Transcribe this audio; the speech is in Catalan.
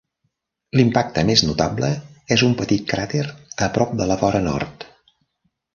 L'impacte més notable és un petit cràter a prop de la vora nord.